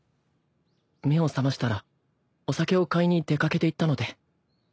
目を覚ましたらお酒を買いに出掛けていったので。